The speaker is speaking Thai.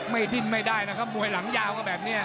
ดิ้นไม่ได้นะครับมวยหลังยาวก็แบบนี้